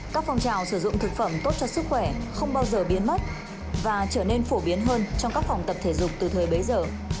các phong trào sử dụng thực phẩm tốt cho sức khỏe không bao giờ biến mất và trở nên phổ biến hơn trong các phòng tập thể dục từ thời bấy giờ